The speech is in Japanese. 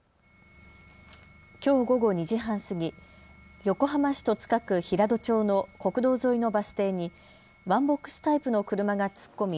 きょう午後２時半過ぎ、横浜市戸塚区平戸町の国道沿いのバス停にワンボックスタイプの車が突っ込み